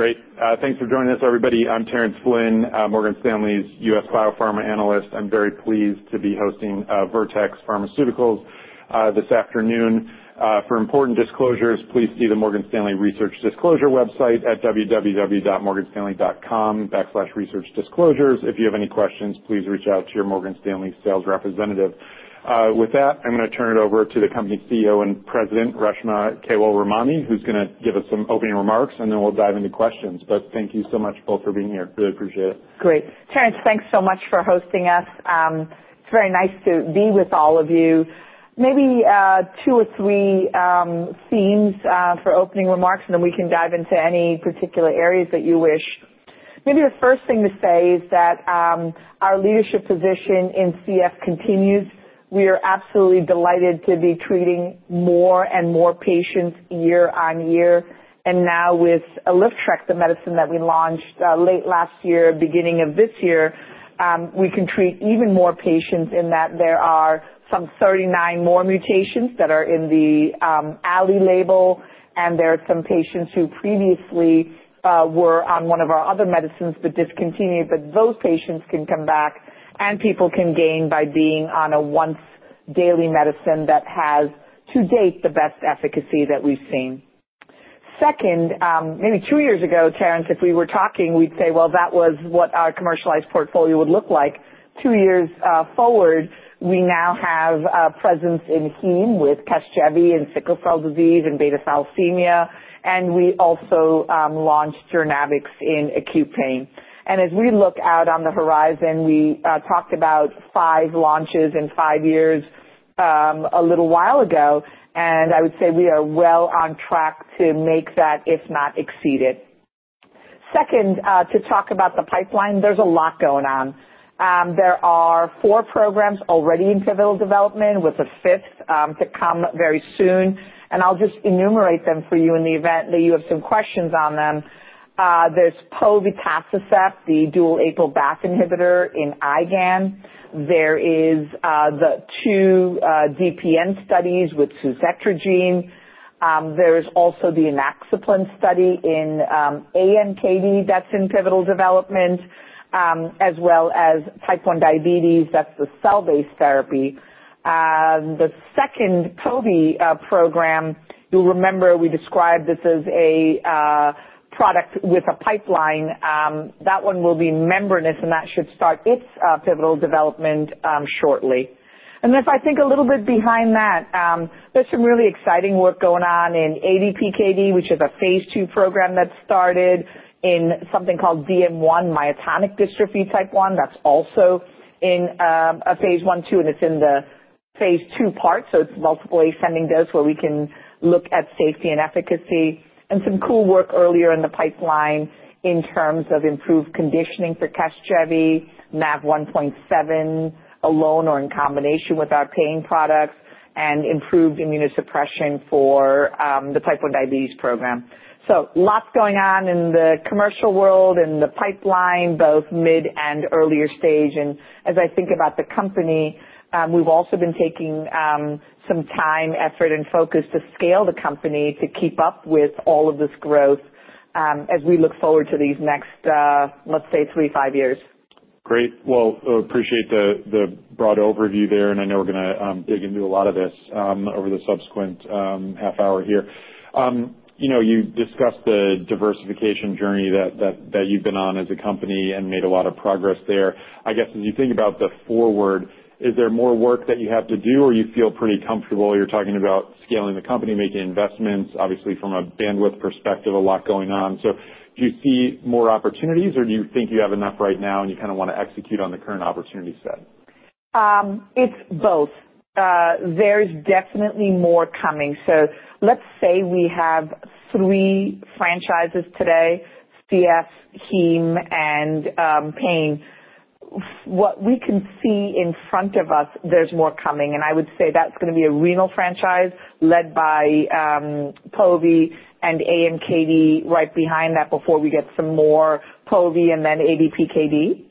Great. Thanks for joining us, everybody. I'm Terence Flynn, Morgan Stanley's U.S. Biopharma analyst. I'm very pleased to be hosting Vertex Pharmaceuticals this afternoon. For important disclosures, please see the Morgan Stanley Research Disclosure website at www.morganstanley.com/researchdisclosures. If you have any questions, please reach out to your Morgan Stanley sales representative. With that, I'm going to turn it over to the company CEO and President, Reshma Kewalramani, who's going to give us some opening remarks, and then we'll dive into questions. But thank you so much both for being here. Really appreciate it. Great. Terence, thanks so much for hosting us. It's very nice to be with all of you. Maybe two or three themes for opening remarks, and then we can dive into any particular areas that you wish. Maybe the first thing to say is that our leadership position in CF continues. We are absolutely delighted to be treating more and more patients year on year, and now, with Alyftrek, the medicine that we launched late last year, beginning of this year, we can treat even more patients in that there are some 39 more mutations that are in the Alyftrek label, and there are some patients who previously were on one of our other medicines but discontinued, but those patients can come back, and people can gain by being on a once-daily medicine that has, to date, the best efficacy that we've seen. Second, maybe two years ago, Terence, if we were talking, we'd say, "Well, that was what our commercialized portfolio would look like." Two years forward, we now have a presence in heme with Casgevy and sickle cell disease and beta thalassemia, and we also launched Journavx acute pain. And as we look out on the horizon, we talked about five launches in five years a little while ago, and I would say we are well on track to make that, if not exceed it. Second, to talk about the pipeline, there's a lot going on. There are four programs already in pivotal development, with a fifth to come very soon. And I'll just enumerate them for you in the event that you have some questions on them. There's povetacicept, the dual APRIL/BAFF inhibitor in IgAN. There are the two DPN studies with suzetrigine. There is also the inaxaplin study in AMKD that's in pivotal development, as well as type 1 diabetes, that's the cell-based therapy. The second povetacicept program, you'll remember we described this as a product with a pipeline. That one will be membranous, and that should start its pivotal development shortly, and then if I think a little bit behind that, there's some really exciting work going on in ADPKD, which is a phase two program that started in something called DM1, myotonic dystrophy type 1. That's also in a phase one-two, and it's in the phase two part, so it's multiple ascending dose where we can look at safety and efficacy, and some cool work earlier in the pipeline in terms of improved conditioning for Casgevy, NaV1.7 alone or in combination with our pain products, and improved immunosuppression for the type 1 diabetes program. Lots going on in the commercial world, in the pipeline, both mid and earlier stage. As I think about the company, we've also been taking some time, effort, and focus to scale the company to keep up with all of this growth as we look forward to these next, let's say, three to five years. Great. Well, I appreciate the broad overview there, and I know we're going to dig into a lot of this over the subsequent half hour here. You discussed the diversification journey that you've been on as a company and made a lot of progress there. I guess as you think about the future, is there more work that you have to do, or you feel pretty comfortable? You're talking about scaling the company, making investments, obviously from a bandwidth perspective, a lot going on. So do you see more opportunities, or do you think you have enough right now and you kind of want to execute on the current opportunity set? It's both. There is definitely more coming. So let's say we have three franchises today: CF, heme, and pain. What we can see in front of us, there's more coming. And I would say that's going to be a renal franchise led by povetacicept and AMKD right behind that before we get some more povetacicept and then ADPKD.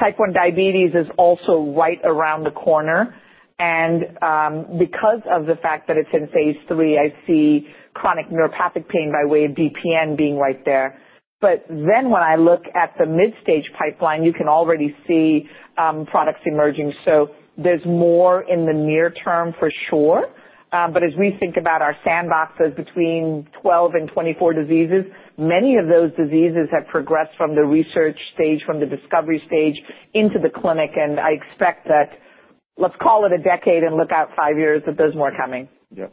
Type 1 diabetes is also right around the corner. And because of the fact that it's in phase three, I see chronic neuropathic pain by way of DPN being right there. But then when I look at the mid-stage pipeline, you can already see products emerging. So there's more in the near term for sure. But as we think about our sandboxes between 12 and 24 diseases, many of those diseases have progressed from the research stage, from the discovery stage into the clinic. I expect that, let's call it a decade and look out five years, that there's more coming. Yep,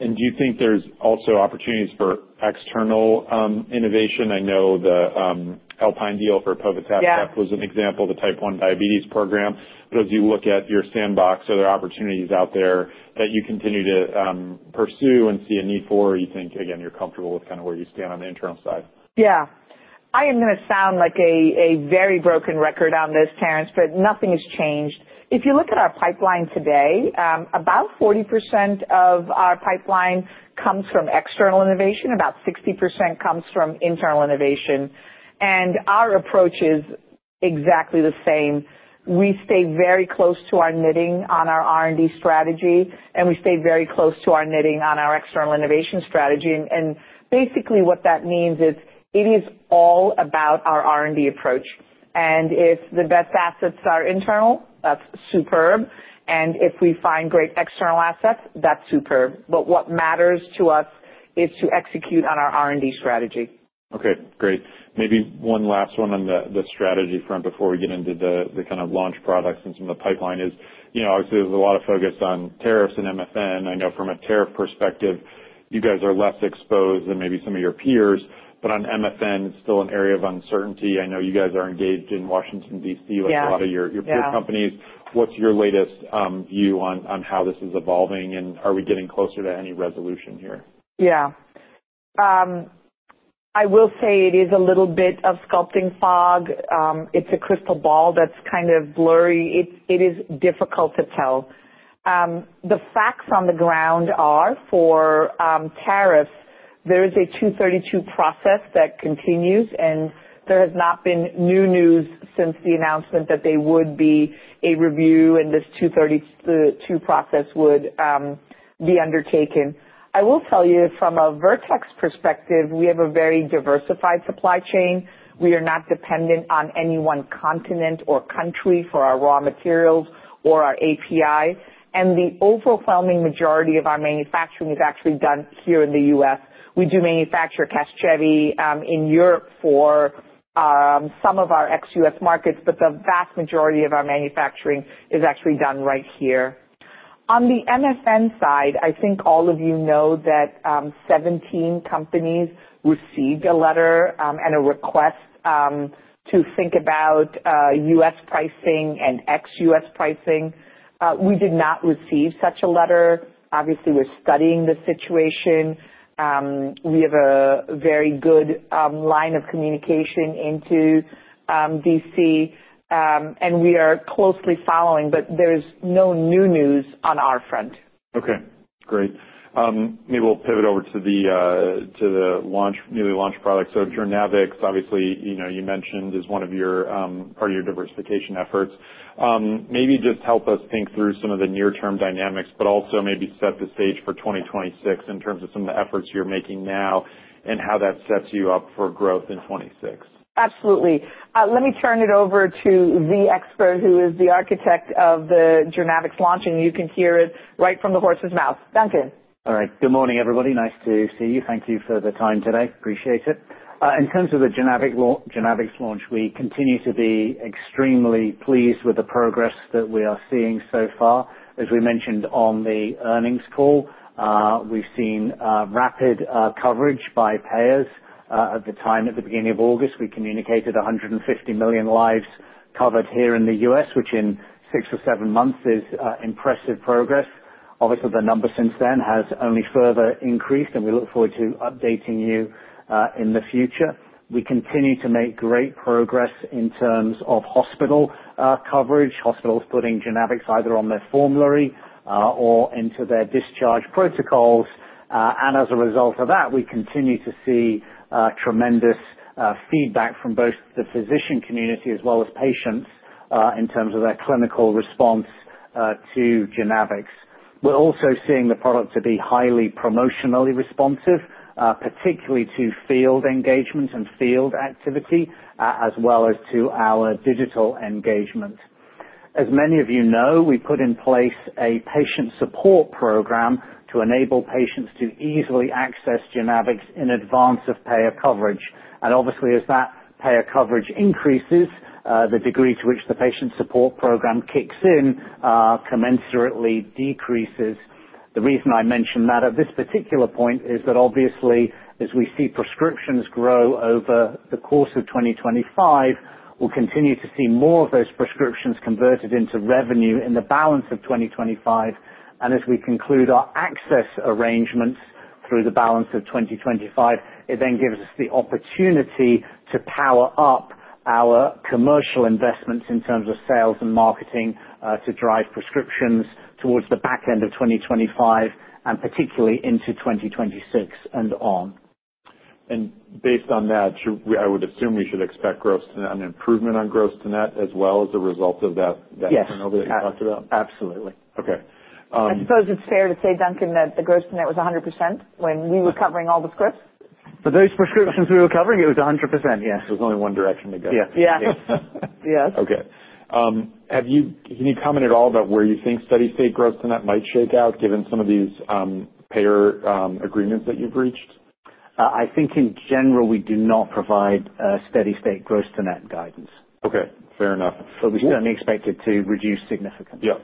and do you think there's also opportunities for external innovation? I know the Alpine deal for povetacicept was an example, the type 1 diabetes program. But as you look at your sandbox, are there opportunities out there that you continue to pursue and see a need for, or you think, again, you're comfortable with kind of where you stand on the internal side? Yeah. I am going to sound like a very broken record on this, Terence, but nothing has changed. If you look at our pipeline today, about 40% of our pipeline comes from external innovation, about 60% comes from internal innovation. And our approach is exactly the same. We stay very close to our knitting on our R&D strategy, and we stay very close to our knitting on our external innovation strategy. And basically what that means is it is all about our R&D approach. And if the best assets are internal, that's superb. And if we find great external assets, that's superb. But what matters to us is to execute on our R&D strategy. Okay. Great. Maybe one last one on the strategy front before we get into the kind of launch products and some of the pipeline is, obviously, there's a lot of focus on tariffs and MFN. I know from a tariff perspective, you guys are less exposed than maybe some of your peers. But on MFN, it's still an area of uncertainty. I know you guys are engaged in Washington, D.C., like a lot of your peer companies. What's your latest view on how this is evolving, and are we getting closer to any resolution here? Yeah. I will say it is a little bit of sculpting fog. It's a crystal ball that's kind of blurry. It is difficult to tell. The facts on the ground are for tariffs, there is a 232 process that continues, and there has not been new news since the announcement that there would be a review and this 232 process would be undertaken. I will tell you, from a Vertex perspective, we have a very diversified supply chain. We are not dependent on any one continent or country for our raw materials or our API. And the overwhelming majority of our manufacturing is actually done here in the U.S. We do manufacture Casgevy in Europe for some of our ex-U.S. markets, but the vast majority of our manufacturing is actually done right here. On the MFN side, I think all of you know that 17 companies received a letter and a request to think about U.S. pricing and ex-U.S. pricing. We did not receive such a letter. Obviously, we're studying the situation. We have a very good line of communication into D.C., and we are closely following, but there is no new news on our front. Okay. Great. Maybe we'll pivot over to the newly launched products. So Journavx, obviously, you mentioned, is one of your part of your diversification efforts. Maybe just help us think through some of the near-term dynamics, but also maybe set the stage for 2026 in terms of some of the efforts you're making now and how that sets you up for growth in 2026. Absolutely. Let me turn it over to the expert who is the architect of the Trikafta launch, and you can hear it right from the horse's mouth. Duncan. All right. Good morning, everybody. Nice to see you. Thank you for the time today. Appreciate it. In terms of the Alyftrek launch, we continue to be extremely pleased with the progress that we are seeing so far. As we mentioned on the earnings call, we've seen rapid coverage by payers. At the time, at the beginning of August, we communicated 150 million lives covered here in the U.S., which in six or seven months is impressive progress. Obviously, the number since then has only further increased, and we look forward to updating you in the future. We continue to make great progress in terms of hospital coverage. Hospitals putting Alyftrek either on their formulary or into their discharge protocols. And as a result of that, we continue to see tremendous feedback from both the physician community as well as patients in terms of their clinical response to Alyftrek. We're also seeing the product to be highly promotionally responsive, particularly to field engagement and field activity, as well as to our digital engagement. As many of you know, we put in place a patient support program to enable patients to easily access Trikafta in advance of payer coverage. And obviously, as that payer coverage increases, the degree to which the patient support program kicks in commensurately decreases. The reason I mention that at this particular point is that obviously, as we see prescriptions grow over the course of 2025, we'll continue to see more of those prescriptions converted into revenue in the balance of 2025. As we conclude our access arrangements through the balance of 2025, it then gives us the opportunity to power up our commercial investments in terms of sales and marketing to drive prescriptions towards the back end of 2025 and particularly into 2026 and on. Based on that, I would assume we should expect an improvement on gross-to-net as well as a result of that turnover that you talked about? Yes. Absolutely. Okay. I suppose it's fair to say, Duncan, that the gross-to-net was 100% when we were covering all the scripts. For those prescriptions we were covering, it was 100%, yes. There was only one direction to go. Yeah. Yes. Okay. Can you comment at all about where you think steady-state gross-to-net might shake out given some of these payer agreements that you've reached? I think in general, we do not provide steady-state gross to net guidance. Okay. Fair enough. But we certainly expect it to reduce significantly. Yep.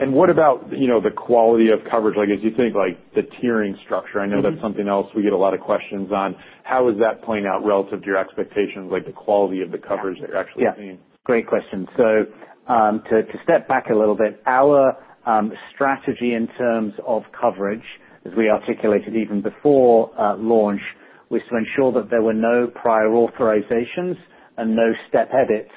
And what about the quality of coverage? Like as you think, like the tiering structure, I know that's something else we get a lot of questions on. How is that playing out relative to your expectations, like the quality of the coverage that you're actually seeing? Yeah. Great question. So to step back a little bit, our strategy in terms of coverage, as we articulated even before launch, was to ensure that there were no prior authorizations and no step edits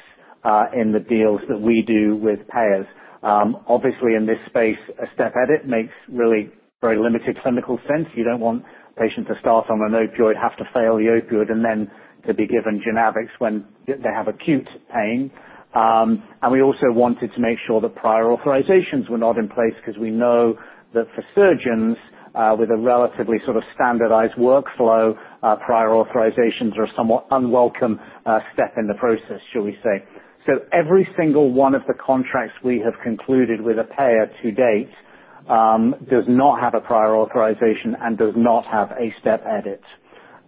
in the deals that we do with payers. Obviously, in this space, a step edit makes really very limited clinical sense. You don't want a patient to start on an opioid, have to fail the opioid, and then to be given suzetrigine when they have acute pain. And we also wanted to make sure that prior authorizations were not in place because we know that for surgeons with a relatively sort of standardized workflow, prior authorizations are a somewhat unwelcome step in the process, shall we say. So every single one of the contracts we have concluded with a payer to date does not have a prior authorization and does not have a step edit.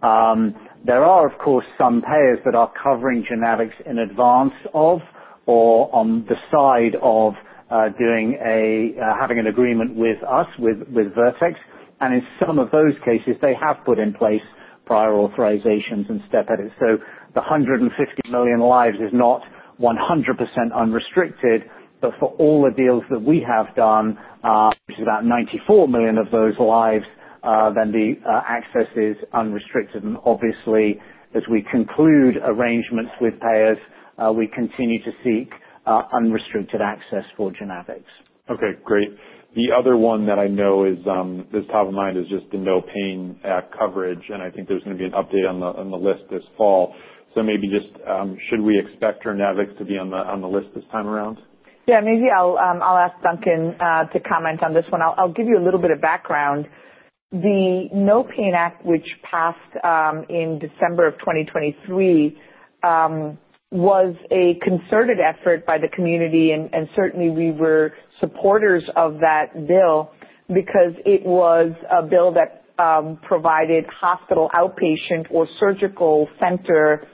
There are, of course, some payers that are covering Journavx in advance of or on the side of having an agreement with us, with Vertex. And in some of those cases, they have put in place prior authorizations and step edits. So the 150 million lives is not 100% unrestricted, but for all the deals that we have done, which is about 94 million of those lives, then the access is unrestricted. And obviously, as we conclude arrangements with payers, we continue to seek unrestricted access for Journavx. Okay. Great. The other one that I know is top of mind is just the NOPAIN coverage, and I think there's going to be an update on the list this fall, so maybe just should we expect suzetrigine to be on the list this time around? Yeah. Maybe I'll ask Duncan to comment on this one. I'll give you a little bit of background. The NOPAIN Act, which passed in December of 2023, was a concerted effort by the community, and certainly we were supporters of that bill because it was a bill that provided hospital outpatient or surgical center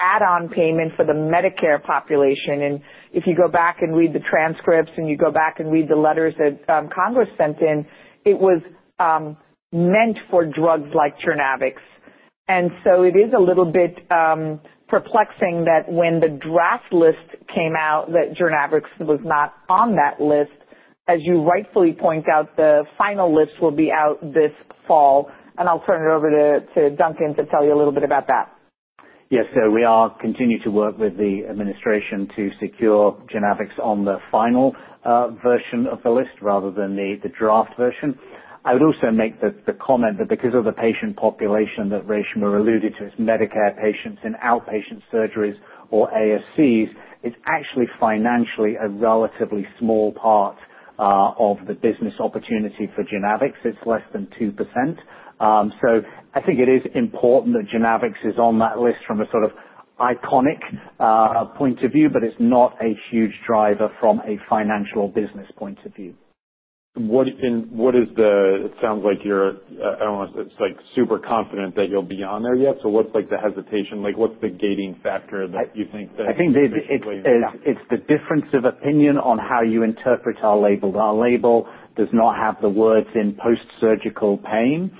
add-on payment for the Medicare population. And if you go back and read the transcripts and you go back and read the letters that Congress sent in, it was meant for drugs like Journavx. And so it is a little bit perplexing that when the draft list came out that Journavx was not on that list, as you rightfully point out. The final list will be out this fall. And I'll turn it over to Duncan to tell you a little bit about that. Yes. So we are continuing to work with the administration to secure suzetrigine on the final version of the list rather than the draft version. I would also make the comment that because of the patient population that Reshma alluded to, it's Medicare patients in outpatient surgeries or ASCs, it's actually financially a relatively small part of the business opportunity for suzetrigine. It's less than 2%. So I think it is important that suzetrigine is on that list from a sort of iconic point of view, but it's not a huge driver from a financial or business point of view. What is it? It sounds like you're, I don't want to say it's like, super confident that you'll be on there yet. So what's the hesitation? What's the gating factor that you think that? I think it's the difference of opinion on how you interpret our label. Our label does not have the words in post-surgical pain,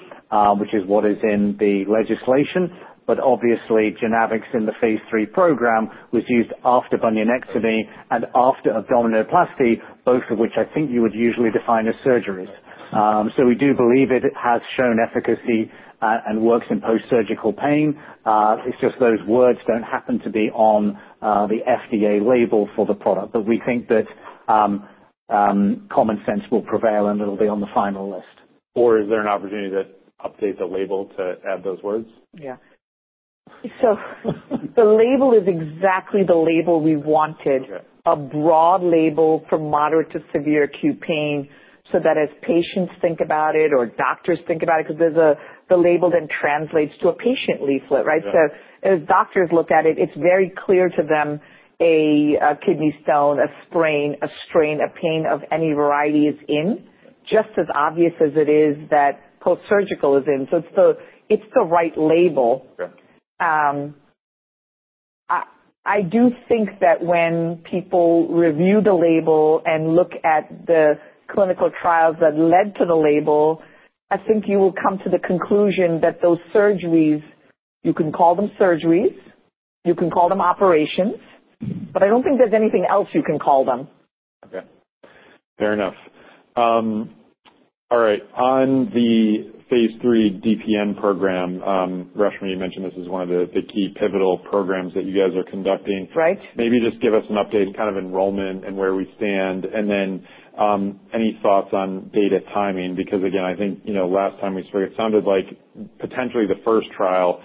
which is what is in the legislation. But obviously, suzetrigine in the phase 3 program was used after bunionectomy and after abdominoplasty, both of which I think you would usually define as surgeries. So we do believe it has shown efficacy and works in post-surgical pain. It's just those words don't happen to be on the FDA label for the product. But we think that common sense will prevail, and it'll be on the final list. Or is there an opportunity to update the label to add those words? Yeah. So the label is exactly the label we wanted, a broad label for moderate to severe acute pain so that as patients think about it or doctors think about it, because the label then translates to a patient leaflet, right? So as doctors look at it, it's very clear to them a kidney stone, a sprain, a strain, a pain of any variety is in, just as obvious as it is that post-surgical is in. So it's the right label. I do think that when people review the label and look at the clinical trials that led to the label, I think you will come to the conclusion that those surgeries, you can call them surgeries, you can call them operations, but I don't think there's anything else you can call them. Okay. Fair enough. All right. On the phase three DPN program, Reshma, you mentioned this is one of the key pivotal programs that you guys are conducting. Maybe just give us an update in kind of enrollment and where we stand, and then any thoughts on data timing? Because again, I think last time we spoke, it sounded like potentially the first trial,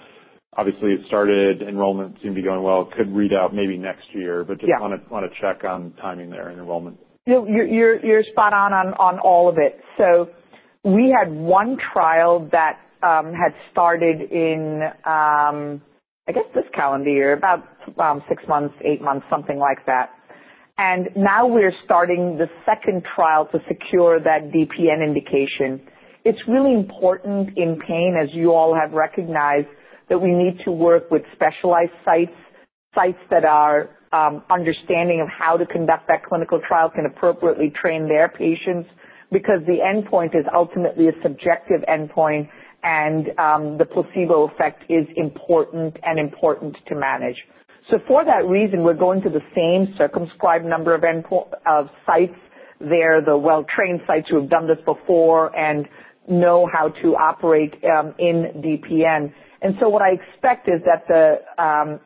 obviously it started, enrollment seemed to be going well, could read out maybe next year, but just want to check on timing there and enrollment. You're spot on on all of it, so we had one trial that had started in, I guess, this calendar year, about six months, eight months, something like that, and now we're starting the second trial to secure that DPN indication. It's really important in pain, as you all have recognized, that we need to work with specialized sites, sites that are understanding of how to conduct that clinical trial, can appropriately train their patients because the endpoint is ultimately a subjective endpoint, and the placebo effect is important to manage, so for that reason, we're going to the same circumscribed number of sites there, the well-trained sites who have done this before and know how to operate in DPN, and so what I expect is that the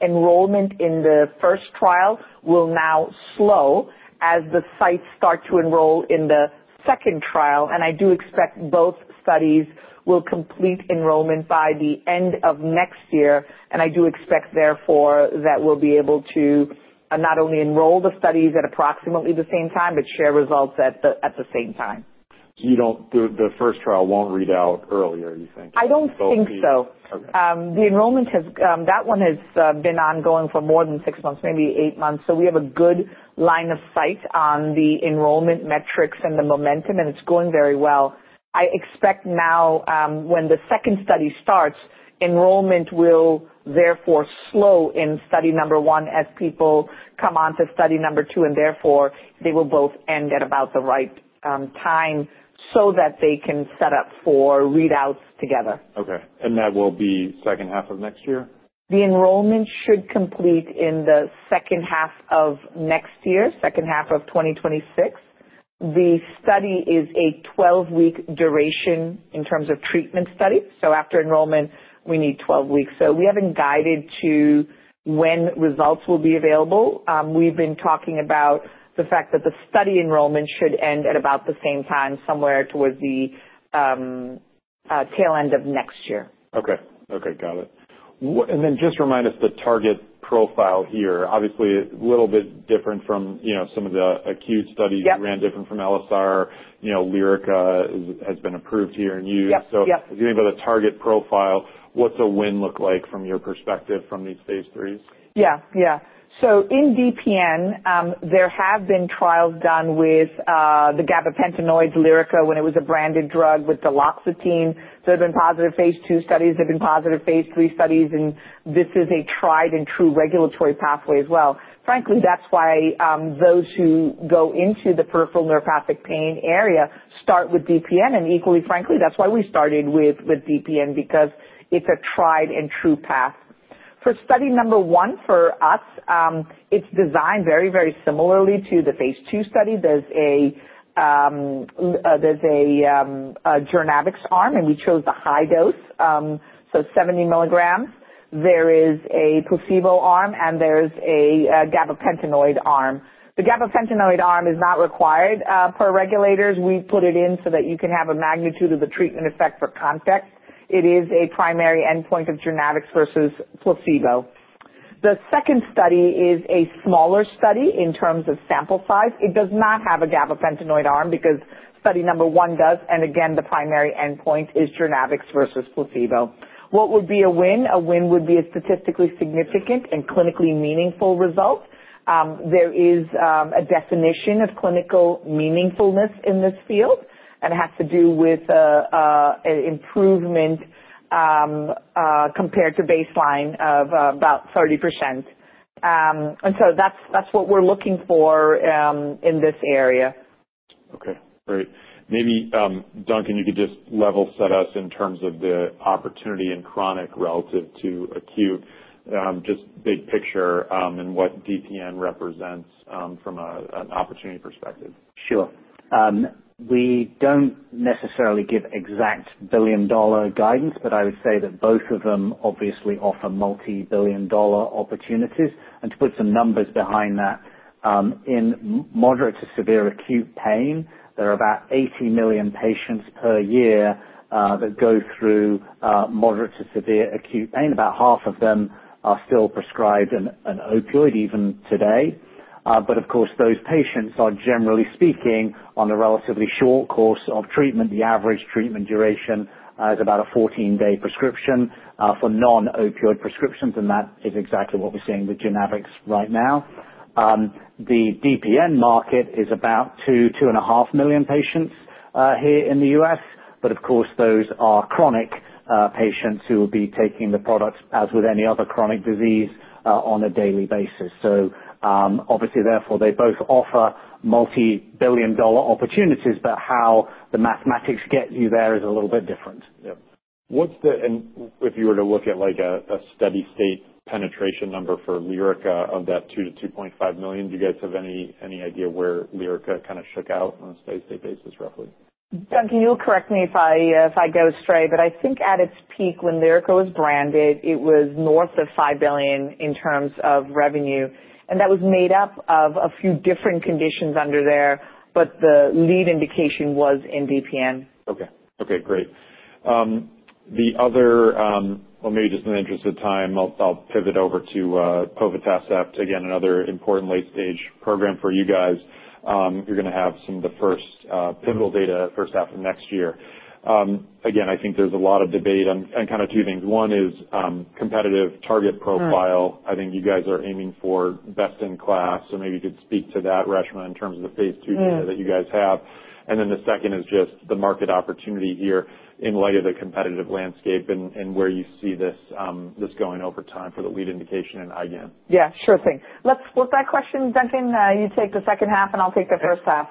enrollment in the first trial will now slow as the sites start to enroll in the second trial. And I do expect both studies will complete enrollment by the end of next year. And I do expect, therefore, that we'll be able to not only enroll the studies at approximately the same time, but share results at the same time. So the first trial won't read out earlier, you think? I don't think so. The enrollment, that one has been ongoing for more than six months, maybe eight months. So we have a good line of sight on the enrollment metrics and the momentum, and it's going very well. I expect now when the second study starts, enrollment will therefore slow in study number one as people come on to study number two, and therefore they will both end at about the right time so that they can set up for readouts together. Okay, and that will be second half of next year? The enrollment should complete in the second half of next year, second half of 2026. The study is a 12-week duration in terms of treatment study. So after enrollment, we need 12 weeks. So we haven't guided to when results will be available. We've been talking about the fact that the study enrollment should end at about the same time, somewhere towards the tail end of next year. Okay. Okay. Got it and then just remind us the target profile here. Obviously, a little bit different from some of the acute studies that ran different from LSR. Lyrica has been approved here and used. So if you think about the target profile, what's a win look like from your perspective from these phase 3s? Yeah. Yeah, so in DPN, there have been trials done with the gabapentinoids, Lyrica, when it was a branded drug with duloxetine. There have been positive phase two studies. There have been positive phase three studies, and this is a tried and true regulatory pathway as well. Frankly, that's why those who go into the peripheral neuropathic pain area start with DPN, and equally frankly, that's why we started with DPN because it's a tried and true path. For study number one for us, it's designed very, very similarly to the phase two study. There's a suzetrigine arm, and we chose the high dose, so 70 milligrams. There is a placebo arm, and there's a gabapentinoid arm. The gabapentinoid arm is not required per regulators. We put it in so that you can have a magnitude of the treatment effect for context. It is a primary endpoint of Journavx versus placebo. The second study is a smaller study in terms of sample size. It does not have a gabapentinoid arm because study number one does. And again, the primary endpoint is Journavx versus placebo. What would be a win? A win would be a statistically significant and clinically meaningful result. There is a definition of clinical meaningfulness in this field, and it has to do with an improvement compared to baseline of about 30%. And so that's what we're looking for in this area. Okay. Great. Maybe, Duncan, you could just level set us in terms of the opportunity in chronic relative to acute, just big picture and what DPN represents from an opportunity perspective. Sure. We don't necessarily give exact billion-dollar guidance, but I would say that both of them obviously offer multi-billion-dollar opportunities. And to put some numbers behind that, in moderate to severe acute pain, there are about 80 million patients per year that go through moderate to severe acute pain. About half of them are still prescribed an opioid even today. But of course, those patients are generally speaking on a relatively short course of treatment. The average treatment duration is about a 14-day prescription for non-opioid prescriptions, and that is exactly what we're seeing with suzetrigine right now. The DPN market is about 2-2.5 million patients here in the U.S., but of course, those are chronic patients who will be taking the product as with any other chronic disease on a daily basis. So obviously, therefore, they both offer multi-billion-dollar opportunities, but how the mathematics gets you there is a little bit different. Yeah. And if you were to look at a steady state penetration number for Lyrica of that two to 2.5 million, do you guys have any idea where Lyrica kind of shook out on a steady state basis, roughly? Duncan, you'll correct me if I go astray, but I think at its peak when Lyrica was branded, it was north of $5 billion in terms of revenue, and that was made up of a few different conditions under there, but the lead indication was in DPN. Okay. Okay. Great. The other, well, maybe just in the interest of time, I'll pivot over to povetacicept, again, another important late-stage program for you guys. You're going to have some of the first pivotal data first half of next year. Again, I think there's a lot of debate on kind of two things. One is competitive target profile. I think you guys are aiming for best in class. So maybe you could speak to that, Reshma, in terms of the phase two data that you guys have. And then the second is just the market opportunity here in light of the competitive landscape and where you see this going over time for the lead indication and IgAN. Yeah. Sure thing. Let's flip that question, Duncan. You take the second half, and I'll take the first half.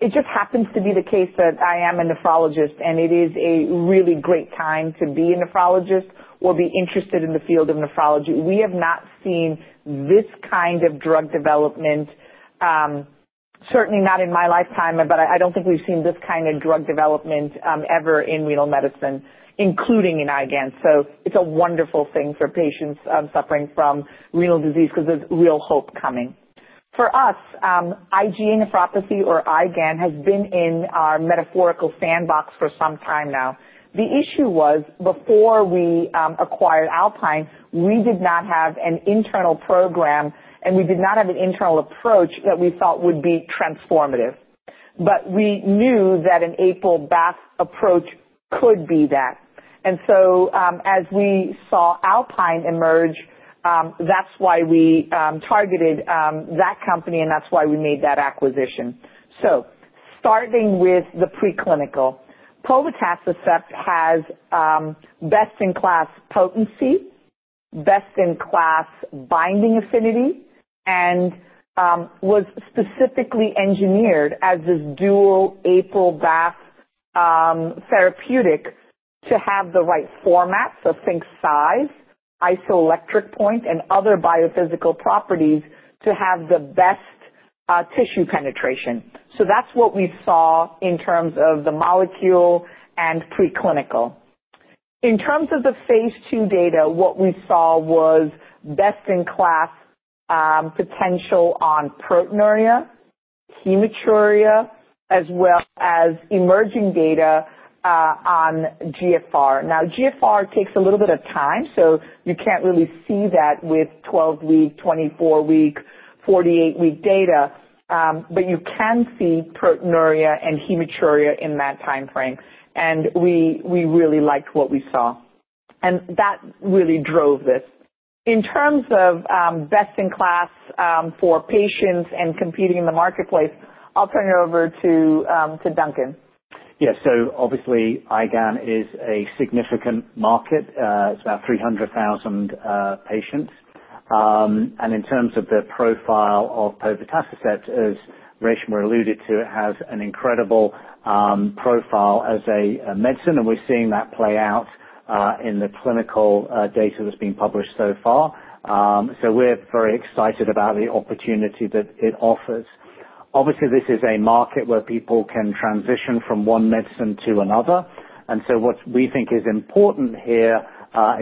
It just happens to be the case that I am a nephrologist, and it is a really great time to be a nephrologist or be interested in the field of nephrology. We have not seen this kind of drug development, certainly not in my lifetime, but I don't think we've seen this kind of drug development ever in renal medicine, including in IgAN. So it's a wonderful thing for patients suffering from renal disease because there's real hope coming. For us, IgA nephropathy or IgAN has been in our metaphorical sandbox for some time now. The issue was before we acquired Alpine, we did not have an internal program, and we did not have an internal approach that we thought would be transformative. But we knew that an APRIL/BAFF approach could be that. And so as we saw Alpine emerge, that's why we targeted that company, and that's why we made that acquisition. So starting with the preclinical, povetacicept has best in class potency, best in class binding affinity, and was specifically engineered as this dual APRIL/BAFF therapeutic to have the right format, so think size, isoelectric point, and other biophysical properties to have the best tissue penetration. So that's what we saw in terms of the molecule and preclinical. In terms of the phase two data, what we saw was best in class potential on proteinuria, hematuria, as well as emerging data on GFR. Now, GFR takes a little bit of time, so you can't really see that with 12-week, 24-week, 48-week data, but you can see proteinuria and hematuria in that timeframe. We really liked what we saw. That really drove this. In terms of best in class for patients and competing in the marketplace, I'll turn it over to Duncan. Yeah. So obviously, IgAN is a significant market. It's about 300,000 patients. And in terms of the profile of povetacicept, as Reshma alluded to, it has an incredible profile as a medicine, and we're seeing that play out in the clinical data that's been published so far. So we're very excited about the opportunity that it offers. Obviously, this is a market where people can transition from one medicine to another. And so what we think is important here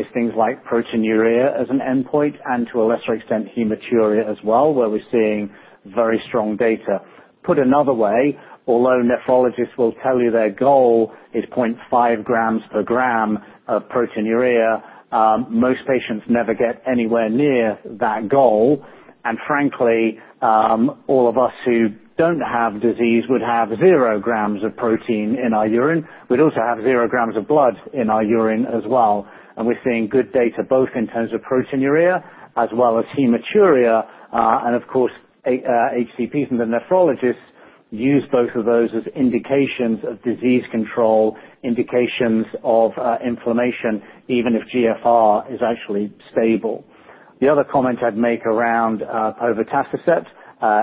is things like proteinuria as an endpoint and to a lesser extent, hematuria as well, where we're seeing very strong data. Put another way, although nephrologists will tell you their goal is 0.5 grams per gram of proteinuria, most patients never get anywhere near that goal. And frankly, all of us who don't have disease would have 0 grams of protein in our urine. We'd also have zero grams of blood in our urine as well, and we're seeing good data both in terms of proteinuria as well as hematuria. And of course, HCPs and the nephrologists use both of those as indications of disease control, indications of inflammation, even if GFR is actually stable. The other comment I'd make around povetacicept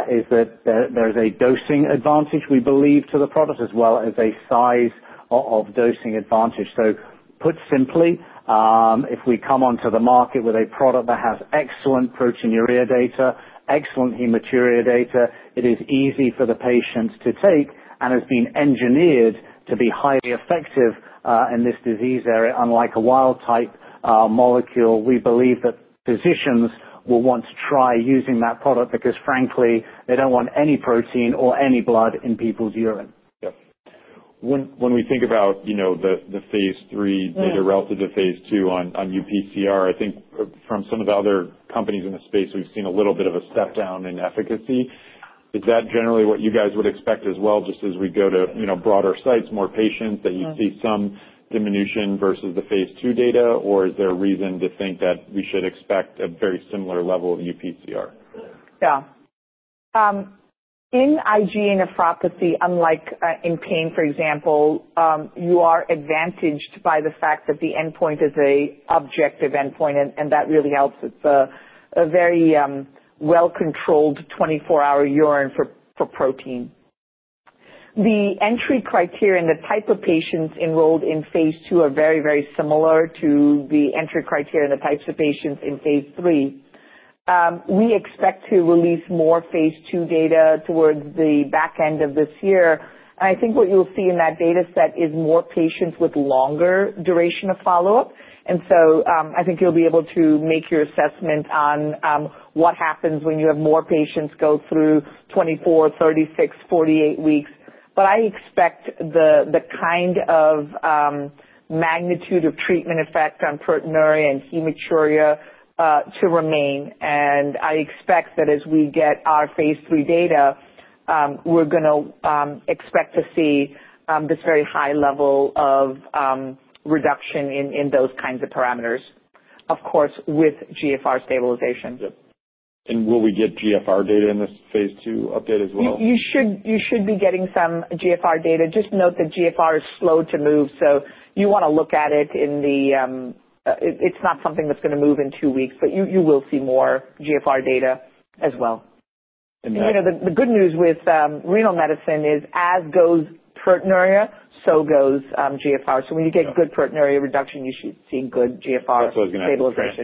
is that there is a dosing advantage, we believe, to the product as well as a size of dosing advantage, so put simply, if we come onto the market with a product that has excellent proteinuria data, excellent hematuria data, it is easy for the patients to take and has been engineered to be highly effective in this disease area, unlike a wild type molecule. We believe that physicians will want to try using that product because frankly, they don't want any protein or any blood in people's urine. Yeah. When we think about the phase three data relative to phase two on UPCR, I think from some of the other companies in the space, we've seen a little bit of a step down in efficacy. Is that generally what you guys would expect as well, just as we go to broader sites, more patients, that you see some diminution versus the phase two data? Or is there a reason to think that we should expect a very similar level of UPCR? Yeah. In IgA nephropathy, unlike in pain, for example, you are advantaged by the fact that the endpoint is an objective endpoint, and that really helps. It's a very well-controlled 24-hour urine for protein. The entry criteria and the type of patients enrolled in phase two are very, very similar to the entry criteria and the types of patients in phase three. We expect to release more phase two data towards the back end of this year. And I think what you'll see in that dataset is more patients with longer duration of follow-up. And so I think you'll be able to make your assessment on what happens when you have more patients go through 24, 36, 48 weeks. But I expect the kind of magnitude of treatment effect on proteinuria and hematuria to remain. I expect that as we get our phase 3 data, we're going to expect to see this very high level of reduction in those kinds of parameters, of course, with GFR stabilization. Will we get GFR data in this phase 2 update as well? You should be getting some GFR data. Just note that GFR is slow to move, so you want to look at it, it's not something that's going to move in two weeks, but you will see more GFR data as well. The good news with renal medicine is as goes proteinuria, so goes GFR. So when you get good proteinuria reduction, you should see good GFR stabilization. That's what I was going to ask. That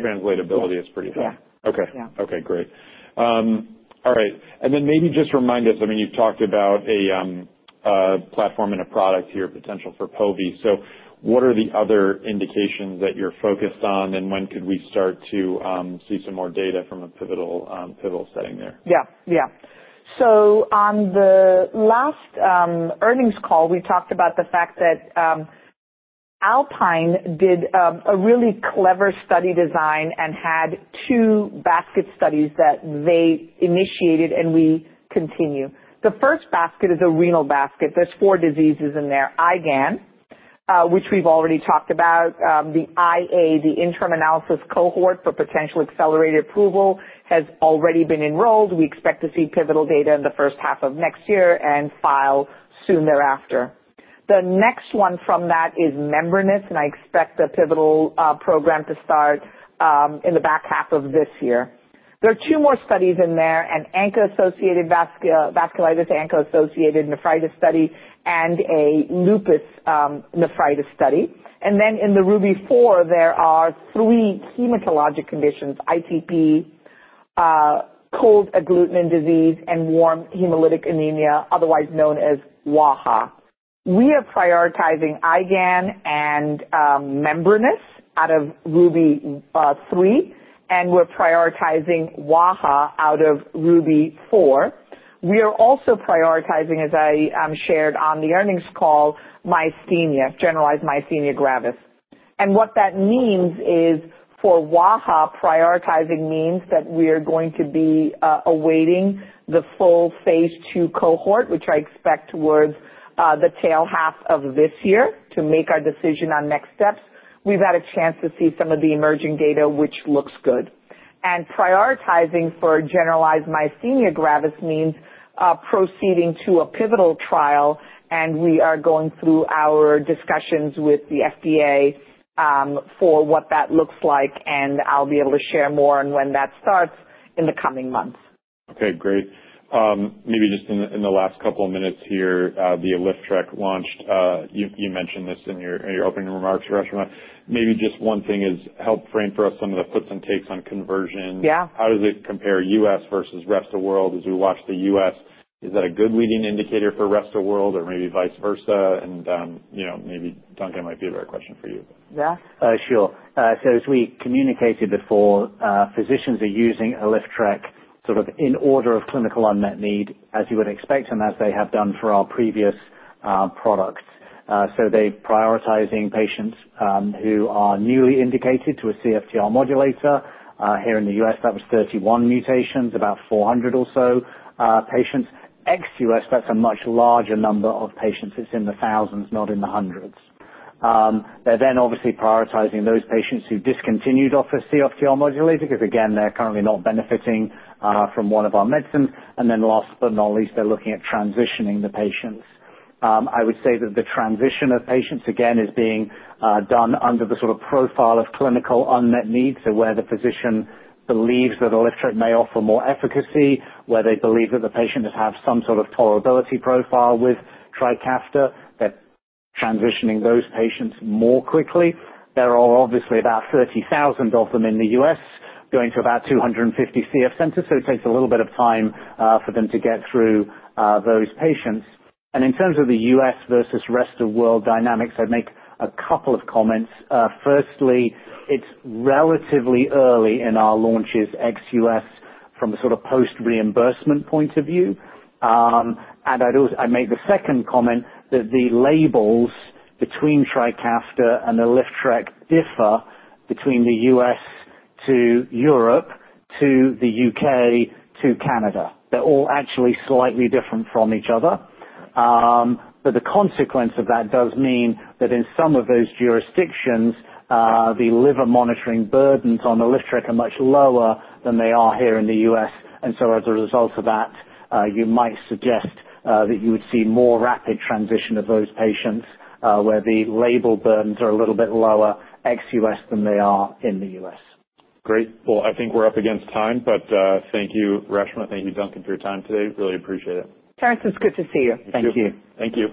translatability is pretty high. Yeah. Yeah. Okay. Okay. Great. All right. And then maybe just remind us, I mean, you've talked about a platform and a product here, potential for povetacicept. So what are the other indications that you're focused on, and when could we start to see some more data from a pivotal setting there? So on the last earnings call, we talked about the fact that Alpine did a really clever study design and had two basket studies that they initiated, and we continue. The first basket is a renal basket. There are four diseases in there. IgAN, which we've already talked about, the IA, the interim analysis cohort for potential accelerated approval, has already been enrolled. We expect to see pivotal data in the first half of next year and file soon thereafter. The next one from that is membranous, and I expect the pivotal program to start in the back half of this year. There are two more studies in there: an ANCA-associated vasculitis, ANCA-associated nephritis study, and a lupus nephritis study. And then in the RUBY-4, there are three hematologic conditions: ITP, cold agglutinin disease, and warm autoimmune hemolytic anemia, otherwise known as WAIHA. We are prioritizing IgAN and membranous out of RUBY-3, and we're prioritizing WAIHA out of RUBY-4. We are also prioritizing, as I shared on the earnings call, myasthenia gravis, generalized myasthenia gravis. And what that means is for WAIHA, prioritizing means that we are going to be awaiting the full phase 2 cohort, which I expect towards the latter half of this year to make our decision on next steps. We've had a chance to see some of the emerging data, which looks good. And prioritizing for generalized myasthenia gravis means proceeding to a pivotal trial, and we are going through our discussions with the FDA for what that looks like, and I'll be able to share more on when that starts in the coming months. Okay. Great. Maybe just in the last couple of minutes here, the ALYFTREK launched. You mentioned this in your opening remarks, Reshma. Maybe just one thing is help frame for us some of the flips and takes on conversion. How does it compare US versus rest of the world as we watch the US? Is that a good leading indicator for rest of the world, or maybe vice versa? And maybe Duncan might be a better question for you. Yeah. Sure, so as we communicated before, physicians are using TRIKAFTA sort of in order of clinical unmet need, as you would expect, and as they have done for our previous products, so they're prioritizing patients who are newly indicated to a CFTR modulator. Here in the U.S., that was 31 mutations, about 400 or so patients. Ex-U.S., that's a much larger number of patients. It's in the thousands, not in the hundreds. They're then obviously prioritizing those patients who discontinued off a CFTR modulator because, again, they're currently not benefiting from one of our medicines, and then last but not least, they're looking at transitioning the patients. I would say that the transition of patients, again, is being done under the sort of profile of clinical unmet need, so where the physician believes that ALYFTREK may offer more efficacy, where they believe that the patient has had some sort of tolerability profile with TRIKAFTA, they're transitioning those patients more quickly. There are obviously about 30,000 of them in the U.S. going to about 250 CF centers, so it takes a little bit of time for them to get through those patients. And in terms of the U.S. versus rest of the world dynamics, I'd make a couple of comments. Firstly, it's relatively early in our launches ex-US from the sort of post-reimbursement point of view. And I'd make the second comment that the labels between TRIKAFTA and ALYFTREK differ between the U.S. to Europe to the U.K. to Canada. They're all actually slightly different from each other. But the consequence of that does mean that in some of those jurisdictions, the liver monitoring burdens on Trikafta are much lower than they are here in the U.S. And so as a result of that, you might suggest that you would see more rapid transition of those patients where the label burdens are a little bit lower ex-U.S. than they are in the U.S. Great. Well, I think we're up against time, but thank you, Reshma. Thank you, Duncan, for your time today. Really appreciate it. Terence, it's good to see you. Thank you. Thank you.